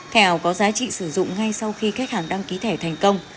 thẻ ảo có giá trị sử dụng ngay sau khi khách hàng đăng ký thẻ thành công